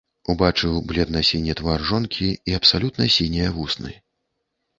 Убачыў бледна-сіні твар жонкі і абсалютна сінія вусны.